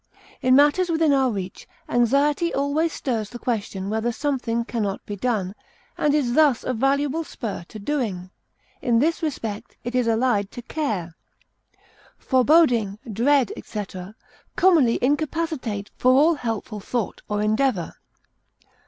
In matters within our reach, anxiety always stirs the question whether something can not be done, and is thus a valuable spur to doing; in this respect it is allied to care. Foreboding, dread, etc., commonly incapacitate for all helpful thought or endeavor.